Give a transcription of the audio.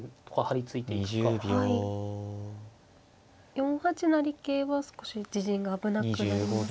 ４八成桂は少し自陣が危なくなりますか。